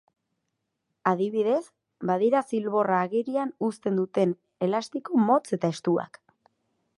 Adibidez, badira zilborra agerian uzten duten elastiko motz eta estuak.